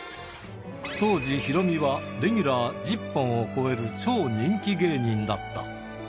当時、ヒロミはレギュラー１０本を超える超人気芸人だった。